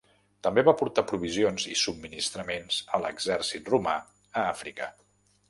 També va portar provisions i subministraments a l'exèrcit romà a Àfrica.